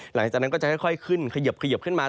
หลังจากนั้นก็จะค่อยขึ้นเขยิบขึ้นมา